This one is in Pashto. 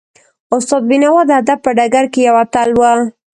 استاد بینوا د ادب په ډګر کې یو اتل و.